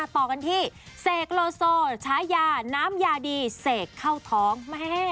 ต่อกันที่เสกโลโซชายาน้ำยาดีเสกเข้าท้องแม่